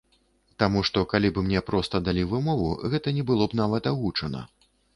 Таму што калі б мне проста далі вымову, гэта не было б нават агучана.